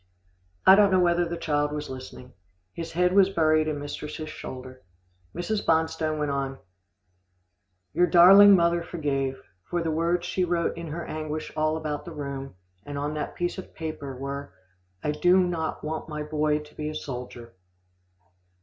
I don't know whether the child was listening. His head was buried in mistress's shoulder. Mrs. Bonstone went on, "Your darling mother forgave, for the words she wrote in her anguish all about the room, and on that piece of paper, were: 'I do not want my boy to be a soldier.